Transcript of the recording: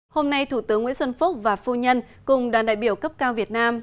hôm nay thủ tướng nguyễn xuân phúc và phu nhân cùng đoàn đại biểu cấp cao việt nam